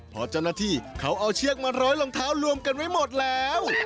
พอเจ้าหน้าที่เขาเอาเชือกมาร้อยรองเท้ารวมกันไว้หมดแล้ว